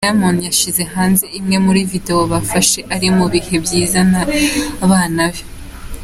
Diamond yashyize hanze imwe muri video bafashe ari mu bihe byiza n’aba bana.